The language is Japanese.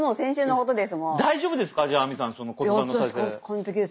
大丈夫ですかじゃあ亜美さんその骨盤の体勢。